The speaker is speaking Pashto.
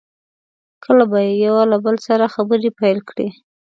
کله به یې یو له بل سره خبرې پیل کړې.